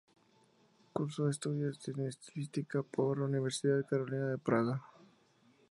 Cursó estudios de Estilística por la Universidad Carolina de Praga.